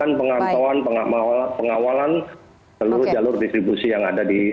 mereka akan mengatakan pengawalan seluruh jalur distribusi yang ada di